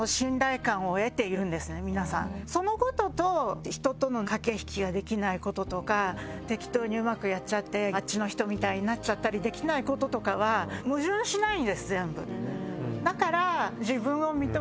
皆さんそのことと人との駆け引きができないこととか適当にうまくやっちゃってあっちの人みたいになっちゃったりできないこととかは矛盾しないんです全部だから。